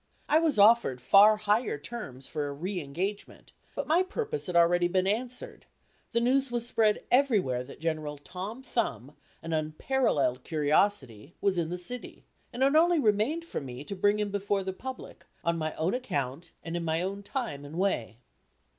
I was offered far higher terms for a re engagement, but my purpose had been already answered; the news was spread everywhere that General Tom Thumb, an unparalleled curiosity, was in the city; and it only remained for me to bring him before the public, on my own account and in my own time and way.